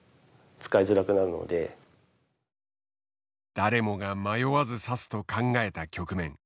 誰もが迷わず指すと考えた局面。